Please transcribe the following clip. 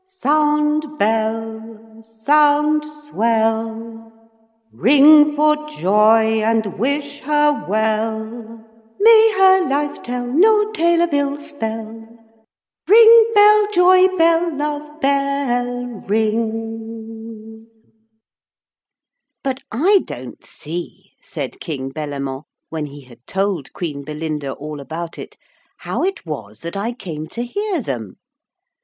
Sound, bell! Sound! Swell! Ring for joy and wish her well! May her life tell No tale of ill spell! Ring, bell! Joy, bell! Love, bell! Ring! 'But I don't see,' said King Bellamant, when he had told Queen Belinda all about it, 'how it was that I came to hear them.